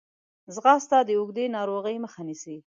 ځغاسته د اوږدې ناروغۍ مخه نیسي